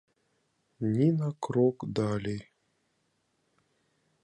Ні на крок далей!